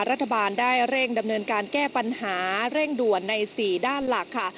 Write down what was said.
รัฐบาลได้เร่งดำเนินการแก้ปัญหาเร่งด่วนใน๔ด้านหลักค่ะ